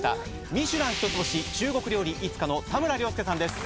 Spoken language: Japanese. ミシュラン一つ星中国料理慈華の田村亮介さんです